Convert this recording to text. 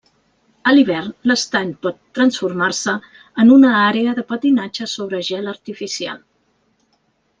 A l'hivern, l'estany pot transformar-se en una àrea de patinatge sobre gel artificial.